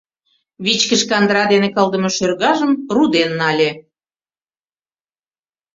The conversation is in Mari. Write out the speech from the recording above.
Вичкыж кандыра дене кылдыме шӧргажым руден нале.